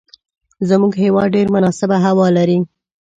زموږ هیواد ډیره مناسبه هوا لری